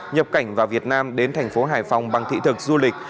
nhập cảnh vào việt nam đến thành phố hải phòng bằng thị thực du lịch